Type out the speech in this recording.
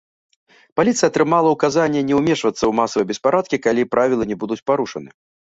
Паліцыя атрымала ўказанне не ўмешвацца ў масавыя беспарадкі, калі правілы не будуць парушаны.